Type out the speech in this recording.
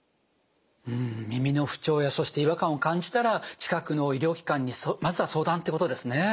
耳の不調やそして違和感を感じたら近くの医療機関にまずは相談ってことですね。